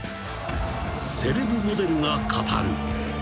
［セレブモデルが語る］